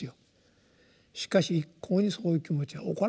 しかし一向にそういう気持ちは起こらんと。